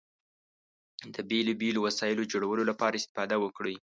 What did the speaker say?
د بېلو بېلو وسایلو جوړولو لپاره استفاده وکړئ.